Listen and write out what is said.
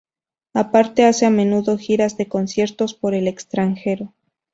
Aparte, hace a menudo giras de conciertos por el extranjero.